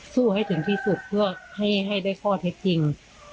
ให้ถึงที่สุดเพื่อให้ได้ข้อเท็จจริง